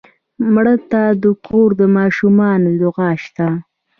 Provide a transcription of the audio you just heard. مړه ته د کور د ماشومانو دعا شته